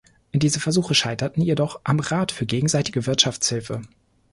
Diese Versuche scheiterten jedoch am Rat für gegenseitige Wirtschaftshilfe.